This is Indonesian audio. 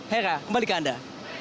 hera kembalikan anda